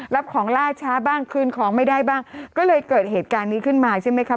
รับของล่าช้าบ้างคืนของไม่ได้บ้างก็เลยเกิดเหตุการณ์นี้ขึ้นมาใช่ไหมคะ